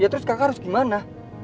terus kakak harus gimana